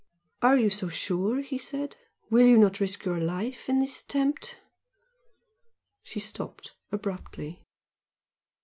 "Are you so sure?" he said "Will you not risk your life in this attempt?" She stopped abruptly.